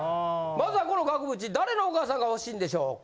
まずはこの額縁誰のお母さんが欲しいんでしょうか！？